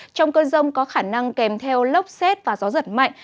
trong cơn rông có khả năng kèm theo lốc xét và gió giật mạnh